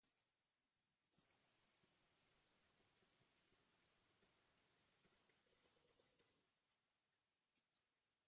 Honela, senarrari gauero etortzen zaizkion mamu eta amesgaiztoak ezagutuko ditu.